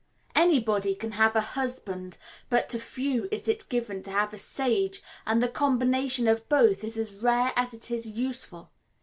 Anybody can have a husband, but to few is it given to have a sage, and the combination of both is as rare as it is useful.